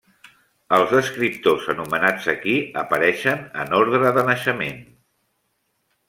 Els escriptors anomenats aquí apareixen en ordre de naixement.